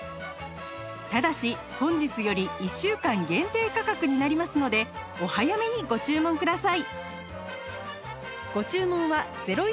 ただし本日より１週間限定価格になりますのでお早めにご注文ください